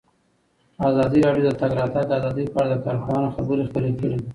ازادي راډیو د د تګ راتګ ازادي په اړه د کارپوهانو خبرې خپرې کړي.